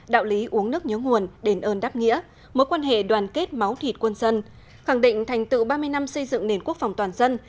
đạo lý uống nước nhớ nguồn đền ơn đáp nghĩa mối quan hệ đoàn kết máu thịt quân dân khẳng định thành tựu ba mươi năm xây dựng nền quốc phòng toàn dân